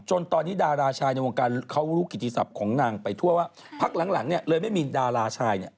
ตอนนี้ดาราชายในวงการเขารู้กิติศัพท์ของนางไปทั่วว่าพักหลังเนี่ยเลยไม่มีดาราชายเนี่ย